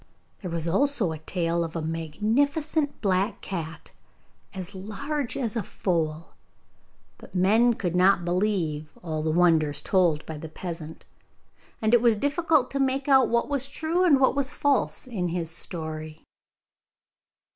There was also a tale of a magnificent black cat as large as a foal, but men could not believe all the wonders told by the peasant, and it was difficult to make out what was true and what was false in his story.